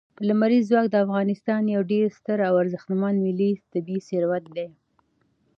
لمریز ځواک د افغانستان یو ډېر ستر او ارزښتمن ملي طبعي ثروت دی.